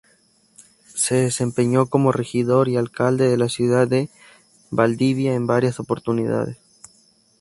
Se desempeñó como regidor y alcalde de la ciudad de Valdivia en varias oportunidades.